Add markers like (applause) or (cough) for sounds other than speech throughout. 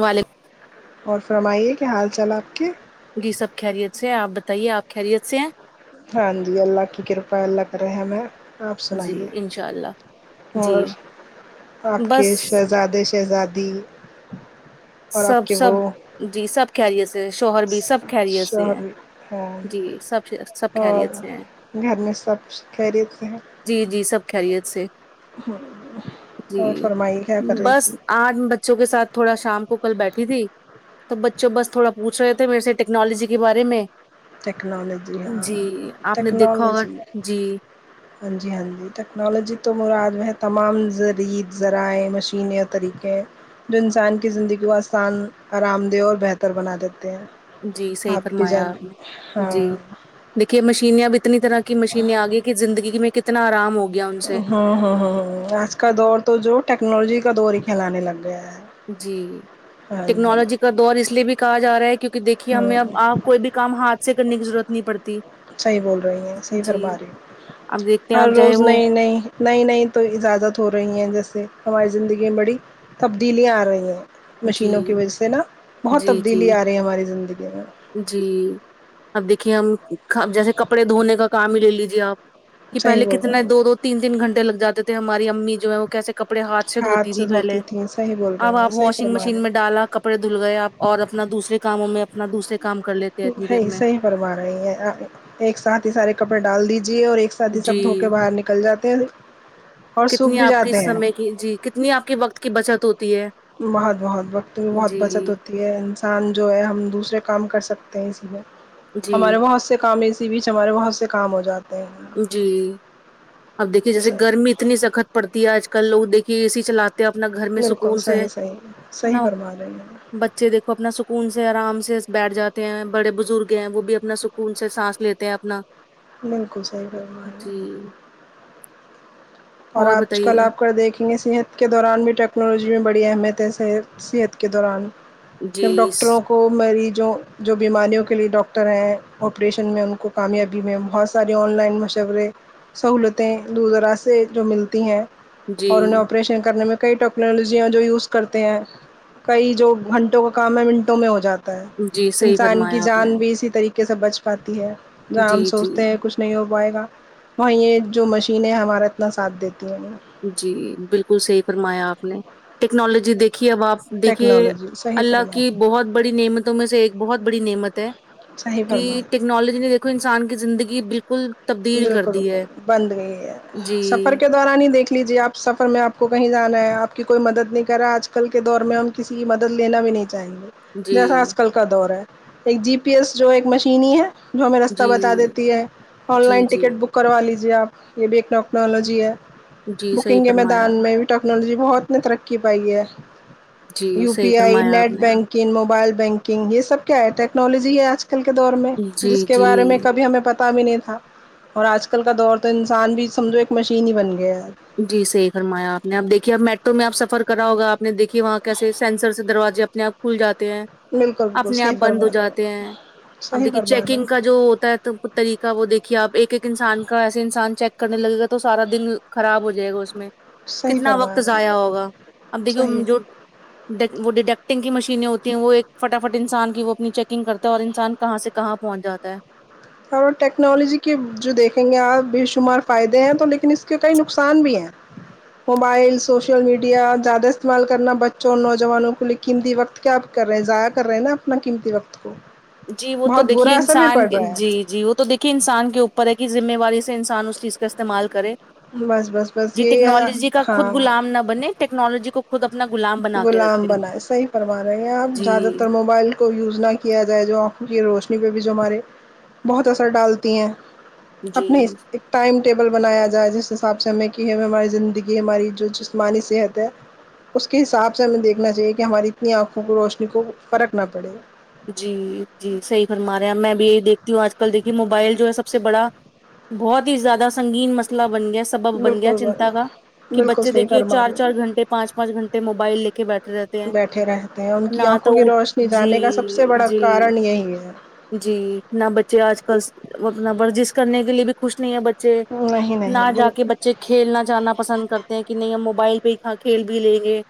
والکم اور فرمائیے کیا حال چال آپ کے جی سب خیریت سے ہے آپ بتائیے آپ خیریت سے ہیں ہاں جی اللہ کی کرپا اللہ کا رحم ہے آپ جی سنائیے انشاء اللہ جی اور آپ کے بس شہز زادہ شہزادی اور سب آپ کے سب وہ جی سب خیریت سے ہیں شوہر بھی سب خیریت سے ہیں شوہر ہیں جی سب سب اور خیریت سے ہیں گھر میں سب خیریت سے ہیں جی جی سب خیریت سے ہ جی اور فرمائے کیا کر رہی تھی بس آج میں بچوں کے ساتھ تھوڑا شام کو کل بیٹھی تھی تو بچے بس تھوڑا پوچھ رہے تھے میرے سے ٹیکنالوجی کے بارے میں ٹیکنالوجی ہاں جی آپ نے دیکھا ہوگا ٹیکنالوجی جی ہاں جی ہاں جی ٹیکنالوجی تو مراد میں ہے تمام زرید ذرائع مشینیں اور طریقے جو انسان کی زندگی کو آسان آرام دہ اور بہتر بنا دیتے ہیں جی صحیح آپ بھی جان فرمایا آپ نے جی ہاں دیکھیے مشینے اب اتنی ترقی کی مشینیں آگئی ذ ندگی میں کی اتنا آرام ہو گیا ان سے ہاں ہاں ہاں آج کا ہے نا دور تو جو ٹیکنالوجی کا دور ہی کھیلانے لگ گیا ہے جی ہاں جی ٹیکنالوجی کا دور اس لیے بھی کہا جا رہا ہے کیونکہ دیکھیے ہمیں ہوں اب آپ کوئی بھی کام ہاتھ سے کرنے کی ضرورت نہیں پڑتی صحیح بول رہی ہیں صحیح جی فرما رہی اب دیکھتے ہیں ہر آپ چاہے روز وہ نئی نئی نئی نئی تو ایجادات ہو رہی ہیں جیسے ہماری زندگی میں بڑی تبدیلیاں آ رہی ہیں جی مشینوں کی وجہ سے نا بہت جی جی تبدیلی آ رہی ہے ہماری زندگی میں جی اب دیکھیے ہم جیسے کپڑے دھونے کا کام ہی لے لیجے آپ کہ صحیح پہلے بول رہا کتنے ہے دو تین تین گنٹے لگ جاتے تھے ہماری امی جو ہے وہ کیسے کپ کپڑے ہاتھ سے دھوتی تھی پہلے تھیں صحیح بول اب رہی ہیں آپ صحیح واشنگ فرما رہی مشین میں ہیں ڈالا کپ کپڑے دھل گئے آپ اور اپنا دوسرے کاموں میں اپنا دوسرے کام کر لیتے ہیں اتنی دیر میں صحیح فرما رہی ہیں ایک ساتھ ہی سارے کپڑے ڈال دیجے اور ایک سادی جی سب دھوکے باہر نکل جاتے ہیں اور سوکھ کتنی بھی آپ کی جاتے ہیں سمے کی جی کتنی آپ کے وقت کی بچت ہوتی ہے بہت بہت وقت بہت جی بچت ہو انسان جو ہے ہم دوسرے کام کر سکتے ہیں اسی میں جی ہمارے بہت سے کام اسی بیچ ہمارے وہاں سے کام ہوجاتے جی اب دیکھیے جیسے صحیح گرمی اتنی سخت پڑتی ہے آج کل لوگ دیکھیے اے سی چلاتے اپنا گھر میں بالکل سکون سے صحیح صحیح ہے نا صحیح اب فرما رہے ہیں بچے دیکھو اپنا سکون سے آرام سے بیٹھ جاتے ہیں بڑے بزرگ ہیں وہ بھی اپنا سکون سے سانس لیتے ہیں اپنا بالکل صحیح کہہ رہی ہو جی اور آج کل آپ کر دیکھینگے صحت کے دوران بھی ٹیکنالوجی میں بڑی اہمیت ہے صحت کے دوران جی جب ڈاکٹروں س- کو کو مریضوں جو بیماریوں کے لیے ڈاکٹر ہیں آپریشن میں ان کو کامیابی میں بہت ساری آن لائن مشورے سہولتیں دور دراز سے جو ملتی ہیں جی اور انہیں آپریشن کرنے میں کئی ٹیکنالوجیاں جو یوز کرتے ہیں کئی جو گھنٹوں کا کام ہے منٹوں میں ہو جاتا جاتا ہے جی صحیح انسان کی فرمایا آپ نے جان بھی اسی طریقے سے بچ پاتی ہے جہاں ہم جی جی سوچتے ہیں کچھ نہیں ہو پائے گا وہاں یہ جو مشینیں ہمارا اتنا ساتھ دیتی ہیں نہیں جی بالکل صحیح فرمایا آپ نے ٹیکنالوجی دیکھیے اب آپ دیکھیے ٹیکنالوجی صحیح اللہ فرمائیں کی بہت بڑی نعمت تو میں سے ایک بہت بڑی نعمت ہے صحیح کی فرمائیں ٹیکنالوجی نے دیکھو انسان کی زندگی بالکل تبدیل کر بالکل دی بالکل ہے بند گئی ہے جی سفر ک دوران ہی دیکھ لیجیے آپ سفر میں آپ کو کہیں جانا ہے آپ کی کوئی مدد نہیں کرا آج کل کے دور میں ہم کسی کی مدد لینا بھی نہیں چاہیں گے جی جیسا آج کل کا دور ہے ایک جی پی ایس جو ایک مشین ہے جو ہمیں رستہ جی بتا دیتی ہے آن جی لائن جی ٹکٹ بک کروا لیجیے آپ یہ بھی ایک نٹیکنالوجی ہے جی صحیح بکنگ کے فرمایا میدان میں ٹیکنالوجی بہت نے ترقی پائی ہے جی یو صحیح پی آئی فرمایا آپ نیٹ نے بینک کنگ موبائل بینکنگ یہ سب کیا ہے ٹیکنالوجی ہے آج کی آج کل کے دور میں جس جی کے بارے میں جی کبھی ہمیں پتا بھی نہیں تھا اور آج کل کا دور تو انسان بھی سمجھو ایک مشین ہی بن گیا ہے جی صحیح فرمایا آپ نے اب دیکھیے اب میٹرو میں آپ سفر کرا ہوگا آپ اپنے دیکھیے وہاں کیسے سینسر سے دروازے اپنے آپ کھل جاتے ہیں بالکل بالکل اپنے آپ صحیح بند فرما ہو رہے جاتے ہیں اب صحیح دیکھیے فرما رہے چیکنگ کا ہو، جو ہوتا ہے تو طریقہ وہ دیکھیے آپ ایک ایک انسان کا ایسے انسان چیک کرنے لگے گا تو سارا دن خراب ہو جائے گا اس میں صحیح کتنا فرما وقت رہے ضائع ہو، ہوگا اب صحیح دیکھیے جو ڈ وہ ڈیڈکٹنگ کی مشینیں ہوتی ہیں وہ ایک فٹافٹ انسان کی وہ اپنی چیکنگ کرتا ہے اور انسان کہاں سے کہاں پہنچ جاتا ہے اور ٹیکنالوجی کے جو دیکھیں گے آپ بے شمار فائدے ہیں تو لیکن اس کے کئی نقصان بھی ہیں موبائل سوشل میڈیا زیادہ استعمال کرنا بچوں اور نوجوانوں کو لکھ قیمتی وقت کیا آپ کر رہے ہیں ضائع کر رہے ہیں نا اپنا قیمتی وقت کو جی وہ تو بہت دیکھیے برا اثر بھی انسان پڑ رہا ہے جی جی وہ تو دیک کہ انسان کے اوپر ہے کہ ذمہواری سے انسان اس چیز کا استعمال کرے بس بس بس جی یہی ٹیکنالوجی کا خود ہاں غلام نہ بنے ٹیکنالوجی کو خود اپنا گلام ب غلام بنائے صحیح فرما رہے ہیں آپ زیادہ جی تر موبائل کو یوز نہ کیا جائے جو آنکھوں کی روشنی پہ بھی جو ہمارے بہت اثر ڈالتی ہیں اپنے اس جی ٹائم ٹیبل بنایا جائے جس حساب سے ہمیں کہ ہم ہماری زندگی ہماری جو جسمانی صحت ہے اس کے حساب سے ہمیں دیکھنا چاہیے کہ ہماری اتنی آنکھوں کی روشنی کو فرق نہ پڑے جی جی صحیح فرما رہے ہیں میں بھی یہی دیکھتی ہوں آج کل دیکھیے موبائل جو ہے سب سے بڑا بہت ہی زیادہ سنگین مسئلہ بن گیا سبب بن گیا بالکل چنتا کا کہ بالکل بچے صحیح دیکھیے فرما چار رہے چار ہیں گھنٹے پانچ پانچ گھنٹے موبائل لے کے بیٹھے رہتے ہیں بیٹھے رہتے ان کی نہ تو آنکھوں کی اٹھ روشنی جی جانے کا سب سے بڑا جی کارن یہی ہے جی نہ بچے آج کل اپنا ورزش کرنے کے لیے بھی خوش نہیں ہے بچے نہیں نہ نہیں جا کے بالکل بچے کھیلنا جانا پسند کرتے ہیں کہ نہیں ہم موبائل پہ ہی کھیل بھی لیں گے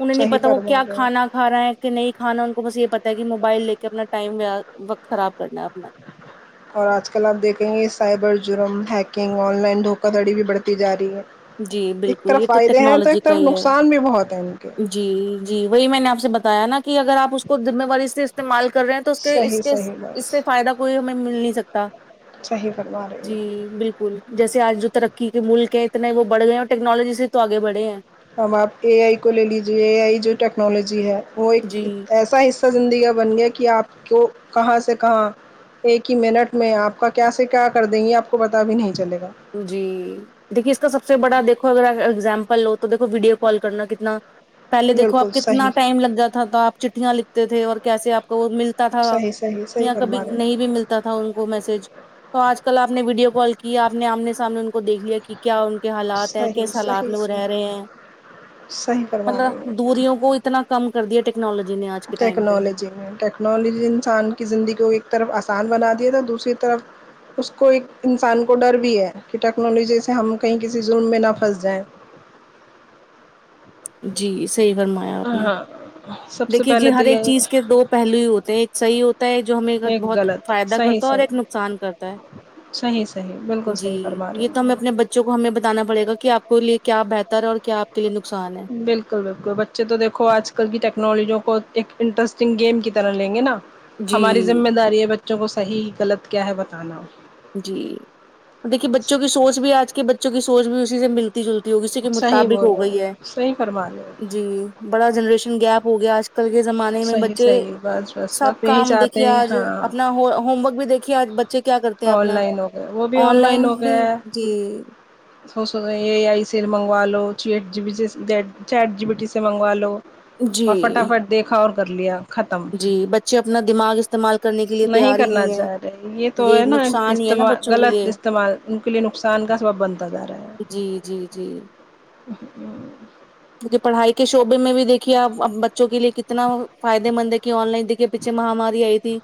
انہیں نہیں صحیح پتا وہ فرما کیا رہے ہیں کھانا کھا رہا ہے کہ نہیں کھانا ان کو بس یہ پتہ ہے کہ موبائل لے کے اپنا ٹائم وا وقت خراب کرنا ہے اپنا اور آج کل آپ دیکھیں گے سائبر جرم ہیکنگ آن لائن دھوکہ دھڑی بھی بڑھتی جا رہی ہے جی ایک بالکل یہ طرف تو فائدے ہیں تو ٹیکنالوجی ایک کا طرف ہی ہے نقصان بھی بہت ہیں ان کے جی جی وہی میں نے آپ سے بتایا نا کہ اگر آپ اس کو ذمہ واری سے استعمال کر رہے ہیں تو اس کے اس صحیح کے صحیح اس بس سے فائدہ کوئی ہمیں مل نہیں سکتا صحیح فرما رہے جی بالکل جیسے آج جو ترقی کے ملک ہیں اتنا وہ بڑ گئے ہیں اور ٹیکنالوجی سے تو آگے بڑھے ہیں ہم آپ اے آئی کو لے لیجے اے آئی جو ٹیکنالوجی ہے وہ ایک جی ایسا پیسا زندگی بن گیا کہ آپ کیو کہاں سے کہاں ایک ہی منٹ میں آپ کا کیا سے کیا کر دیں گے آپ کو پتا بھی نہیں چلے گا جی دیکھیے اس کا سب سے بڑا دیکھو اگر ایگزامپل لو تو دیکھو ویڈیو کال کرنا کتنا پہلے دیکھو آپ بالکل کتنا صحیح ٹائم لگ جاتا تھا آپ چٹھیاں لکھتے تھے اور کیسے آپ کو وہ مل تا تھا صحیح صحیح صحیح یا کبھی فرما رہے نہیں ہیں بھی ملتا تھا ان کو میسج تو آج کل آپ نے ویڈیو کال کیا آپ نے آمنے سامنے ان کو دیکھ لیا کہ کیا ان کو کیا حالات ہے صحیح کس حالات صحیح میں وہ رہ رہے صحیح ہیں صحیح فرما رہے مطلب ہیں دوریوں کو اتنا کم کردیا ہے ٹیکنالوی نے آج کے ٹائم پہ ٹیکنالوجی نے ٹیکنالوجی انسان کی زندگی کو ایک طرف آسان بنا دیا ہے تو دوسری طرف اس کو ایک انسان کو ڈر بھی ہے کہ ٹیکنالوجی سے ہم کہیں کسی ظلم میں نہ پھنس جائیں جی صحیح فرما ہاں سب سے دیکھیے جی پہلے تو ہر ایک یہ چیز کے دو پہلو ہی ہوتے ہیں ایک صحیح ہوتا ہے جو ہمیں ایک بہت غلط ہے۔ فائدہ صحیح کرتا ہے اور ایک صحیح نقصان کرتا ہے صحیح صحیح بالکل جی صحیح فرما رہے یہ تو ہمیں اپنے ہیں بچے چوں کو ہمیں بتانا پڑے گا آپ کے لیے کیا بہتر ہے اور کیا آپ کے لیے نقصان ہے بالکل بالکل بچے تو دیکھو آج کل کی ٹیکنالوجیوں کو ایک انٹرسٹنگ گیم کی طرح لیں گے نا جی ہماری ذمہ داری ہے بچوں کو صحیح غلط کیا ہے بتانا جی دیکھیے بچوں کی سوچ بھی آج کے بچوں کی سوچ بھی اسی سے ملتی لتی جلتی ہوگی اسی کے صحیح مطابق بول ہو رہے گئی ہے صحیح فرما رہے ہو جی بڑا جنریشن گیپ ہو گیا آج کل کے زمانے میں صحیح بچے صحیح بس بس سب آپ یہی کام چاہتے دیکھیے ہیں آج ہاں اپنا ہو ہوم ورک بھی دیکھے کیا بچے کیا کرتے ہیں ان اپنا لائن ہو گیا وہ بھی ان لائن ہو گیا ہے سو سو رہے اے آئی سے منگوا لو چیٹ جی پی سے چیٹ جی پی ٹی سے منگوا لو جی اور فٹافٹ دیکھا اور کر لیا ختم۔ جی بچے اپنا دماغ استعمال کرنے کے لیے نہیں تیار ہی کرنا چاہ ہے رہے یہ تو ہے نا نقصان ہی ہے نا استعمال بچوں کے غلط لیے استعمال ان کے لیے نقصان کا سبب بنتا جا رہا ہے جی جی جی (inaudible) کہ پڑھائی کے شعبے میں بھی دیکھیے آپ بچوں کے لیے کتنا فائدے مند ہے کہ ان لائن د کے پیچھے مہا ماری آئی تھی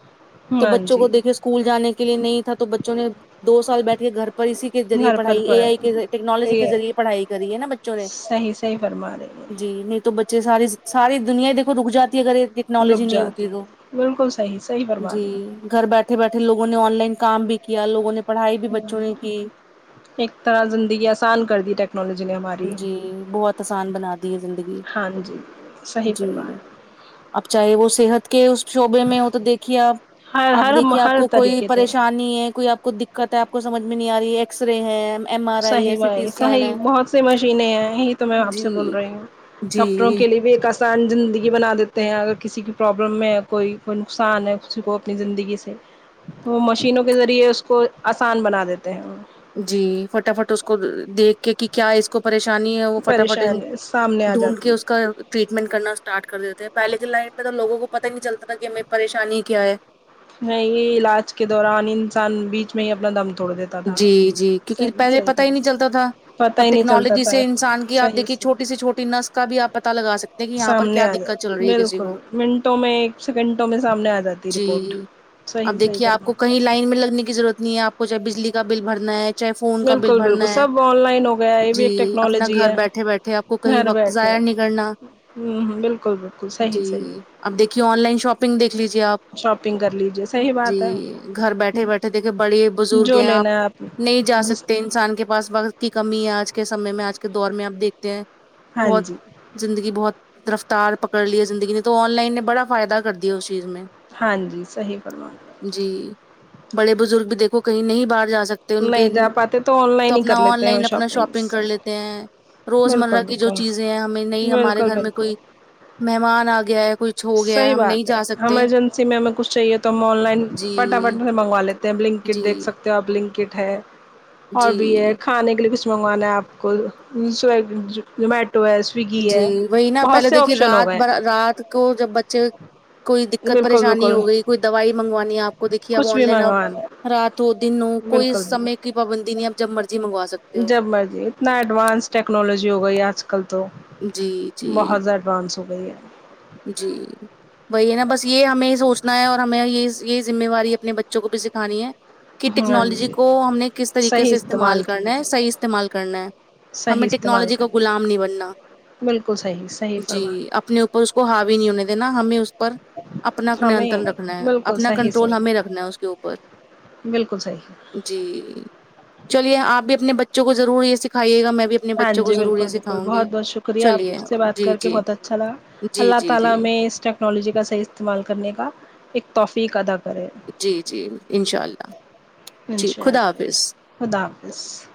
تو ہاں بچوں جی کو دیکھے اس اسکول جانے کے لیے نہیں تھا تو بچوں نے دو سال بیٹھے گھر پر اسی کے ذریعے گھر پر پڑھائی اے پڑ آئی کے ٹیکنالوجی کے یہ ذریعے پڑھائی کری ہے نا بچوں نے صحیح صحیح فرما رہے جی نہیں تو بچے سارے ساری دنیا دیکھو رک جاتی ہے اگر یہ ٹیکنالوجی رک نہیں جاتی ہوتی تو ہے بالکل صحیح صحیح فرما جی رہی ہے گھر بیٹھے بیٹھے لوگوں نے ان لائن کام بھی کیا لوگوں نے پڑھائی بھی بچوں نے کی ایک طرح زندگی آسان کر دی ٹیکنالوجی نے ہماری جی بہت آسان بنا دی ہے زندگی ہاں جی صحیح جی فرمایا اب چاہے وہ صحت کے اس شعبے میں ہو تو دیکھیے آپ ہر آپ ہر دیکھیے آپ ہر کو کوئی طریقے سے پریشان نہیں ہے کوئی آپ کو دقت ہے آپ کو سجھ میں نہیں آ رہی ہے ایکس رے ہے ایم آر آئی صحیح ہے سی ٹی بھائی اسکین صحیح ہے بہت مشینیں ہیں یہ تو میں آپ سے بول جی رہی ہوں ڈاکٹروں جی کے لیے بھی ایک انسان زندگی بنا دیتے ہیں اگر کسی کی پرابلم میں ہے کوئی کوئی نقصان ہے کسی کو اپنی زندگی سے وہ مشینوں کے ذریعے اس کو آسان بنا دیتے ہیں جی فٹافٹ اس کو دیکھ کے کہ کیا اس کو پریشانی ہے وہ فٹافٹ پریشانی سامنے آ ڈھونڈ جاتی کے ہے اس کا ٹریٹمنٹ کرنا اسٹارٹ کر دیتے ہیں پہلے کے لائف میں تو لوگوں کو پتا نہیں چلتا تھا کہ ہمیں پریشانی کیا ہے ہے یہ علاج کے دوران انسان بیچ میں ہی اپنا دم توڑ دیت جی جی کیونکہ پہلے پتا ہی نہیں چلتا تھا پتہ اب ہی نہیں چلتا ٹیکنالوجی تھا سے انسان کی آپ دیکھے چھوٹی سے چھوٹی نس کا بھی آپ پتا لگا سک سامنے آ جاتا بالکل منٹوں میں ایک سیکنٹوں میں سامنے آ جاتی ہے جی رپورٹ صحیح اب صحیح دیکھیے آپ کو فرمایا کہیں لائن میں لگنے کی ضرورت نہیں ہے آپ کو چاہے بجلی کا بل بھرنا ہے چاہے فون کا بل بالکل بالکل بھرنا ہے سب آن لائن ہو گیا ہے یہ بھی جی ایک اپنا ٹیکنالوجی گھر ہے بیٹھے بیٹھے آپ کو کہیں گھر وقت بیٹھے ضائع نہیں کرنا ہوں ہوں بالکل بالکل صحیح جی صحیح اب دیکھیے ان لائن شاپنگ دیکھ لیجیے آپ شاپنگ کر لیجیے صحیح جی بات ہے گھر بیٹھے بیٹھے دیکھے بڑے بزرگ جو ہیں آپ لینا ہے نہیں جا جس سکتے انسان کے پاس وقت کی کمی ہے آج کے سمے میں آج کے دور میں آپ دیکھتے ہیں ہاں بہت جی زندگی بہت رفتار پکڑ لی ہے زندگی نے تو آن لائن نے بڑا فائدہ کر دیا ہے اس چیز میں ہاں جی صحیح فرمایا جی بڑے بزرگ بھی دیکھو کہیں نہیں باہر جا سکتے ان کے نہیں جا پاتے آن تو لائن ہی اپنا کر آن لیتے ہیں وہ لائن اپنا شاپنگ کر لیتے ہیں روزمرہ بالکل کی جو بالکل چیزیں ہیں ہمیں نہیں ہمارے بالکل گھر میں بالکل کوئی مہمان آ گیا ہے کچھ ہو گیا صحیح ہم نہیں بات ہے جا سکتے ایمرجنسی میں ہمیں کچھ چاہیے تو ہم آن لائن جی فٹافٹ سے منگوا لیتے نک جی کٹ دیکھ سکتے ہو آ پ بلنک کٹ ہے اور جی بھی ایک کھانے کے لیے کچھ منگوانا ہے آپ کو سو زومیٹو ہےس جی وہی نا پہلے دیکھیے رات ب ہیں۔ رات کو جب بچ ج کوئی دقت بالکل پریشانی بالکل ہو گئی کوئی دوائی منگوانی ہے آپ کو دیکھیے اب کچھ آن بھی لائن اب منگوانا ہے، رات ہو دن ہو کوئی بالکل سمے بالکل کی پابندی نہیں آپ جب مرضی منگوا سکتے ہو جب مرضی اتنا ایڈوانس ٹیکنالوجی ہو گئی آج کل تو جی جی بہت زیادہ ایڈوانس ہو گئی ہے جی وہی ہے نا بس یہ ہمیں یہ سوچنا ہے اور ہمیں یہ یہ ذمہواری اپنے بچوں کو بھی سکھانی ہے کہ ہاں ٹیکنالوجی جی کو ہم نے کس طریقے صحیح سے استعمال کیے کرنا ہے جائے صحیح استعمال کرنا ہے صحیح ہمیں استعمال ٹیکنالوجی کو کریں غلام نہیں بننا بالکل صحیح صحیح فرمایا جی اپنے اوپر اس کو ہاوی نہیں ہونے دینا ہمیں اس پر اپنا ہمیں انترن رکھنا ہے بالکل اپنا صحیح کنٹرول صحیح ہمیں رکھنا ہے اس کے اوپر بالکل صحیح جی چلیے آپ بھی اپنے بچوں کو ضرور یہ سکھائیے گا میں بھی اپنے ہاں بچوں کو جی ضرور یہ بالکل بالکل سکھاؤں بہت گی بہت شکریہ آپ چلیے سے بات جی کر کے جی بہت اچھ اچھا لگا جی اللہ جی تعالی جی ہمیں اس ٹیکالوجی کا صحیح استعمال کرنے کا ایک توفیق ادا کرے جی جی انشاء اللہ جی انشاء خدا حافظ اللہ خدا حافظ